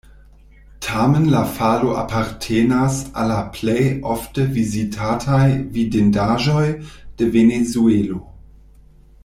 Tamen la falo apartenas al la plej ofte vizitataj vidindaĵoj de Venezuelo.